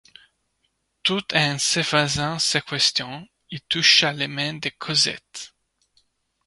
Tout en se faisant ces questions, il toucha les mains de Cosette.